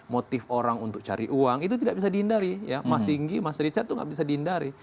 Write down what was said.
motif orang untuk cari uang itu tidak bisa dihindari ya mas singgi mas richard itu nggak bisa dihindari